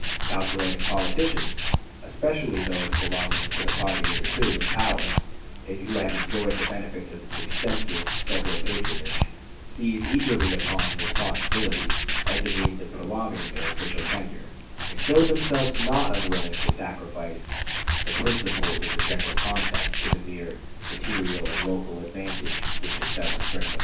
Calculating politicians, especially those belonging to the party hitherto in power, and who had enjoyed the benefits of its extensive Federal patronage, seized eagerly upon this possibility as a means of prolonging their official tenure, and showed themselves not unwilling to sacrifice the principles of the general contest to the mere material and local advantage which success would bring them.